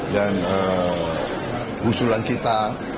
dan usulan kita